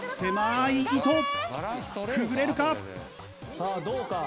さあどうか？